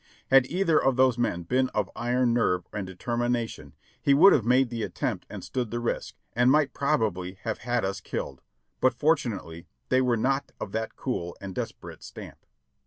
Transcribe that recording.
Had either of those men been of iron nerve and determination, he would have made the attempt and stood the risk and might prob ably have had us killed; but fortunately they were not of that cool and desperate stamp.